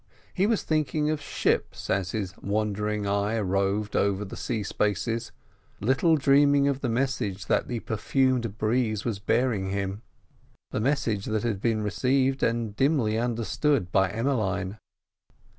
He was thinking of ships as his wandering eye roved over the sea spaces, little dreaming of the message that the perfumed breeze was bearing him. The message that had been received and dimly understood by Emmeline.